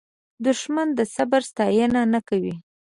دښمن د صبر ستاینه نه کوي